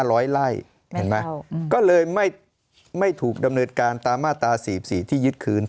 ร้อยไล่เห็นไหมก็เลยไม่ถูกดำเนินการตามมาตรา๔๔ที่ยึดคืน